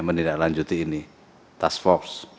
menindaklanjuti ini task force